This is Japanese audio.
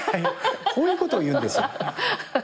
こういうことを言うんですよ。